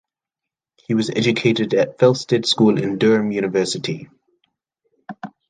He was educated at Felsted School and Durham University.